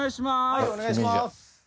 はいお願いします。